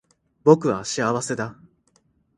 僕は幸せだ